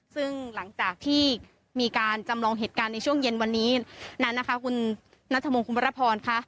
ซึ่งหลังจากที่มีการจำลองเหตุการณ์ในช่วงเย็นวันนี้นั้นนะคะคุณนัทพงศ์คุณวรพรค่ะ